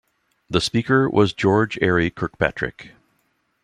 The Speaker was George Airey Kirkpatrick.